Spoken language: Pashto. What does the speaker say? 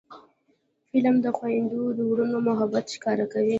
فلم د خویندو ورونو محبت ښکاره کوي